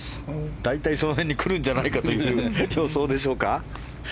大体その辺に来るんじゃないかという予想でしょうか？